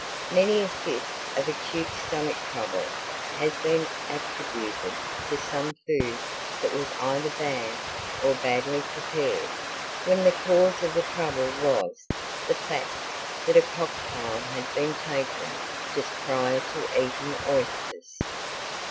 Many a fit of acute stomach trouble has been attributed to some food that was either bad or badly prepared when the cause of the trouble was the fact that a cocktail had been taken just prior to eating oysters.